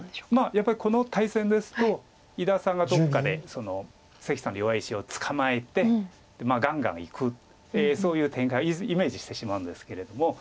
やっぱりこの対戦ですと伊田さんがどっかで関さんの弱い石を捕まえてガンガンいくそういう展開イメージしてしまうんですけれども。